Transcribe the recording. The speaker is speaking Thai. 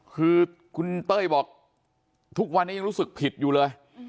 คือคุณเต้ยบอกทุกวันนี้ยังรู้สึกผิดอยู่เลย